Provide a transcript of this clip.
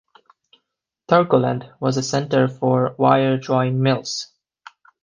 Thurgoland was a centre for wire drawing mills.